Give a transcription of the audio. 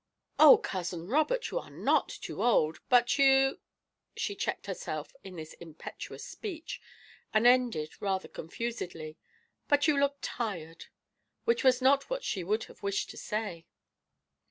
"Oh, Cousin Robert, you are not too old, but you " she checked herself in this impetuous speech, and ended rather confusedly, "but you look tired"; which was not what she would have wished to say.